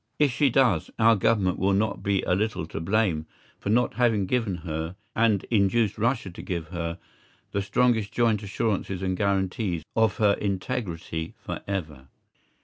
If she does, our Government will be not a little to blame for not having given her, and induced Russia to give her, the strongest joint assurances and guarantees of her integrity for ever.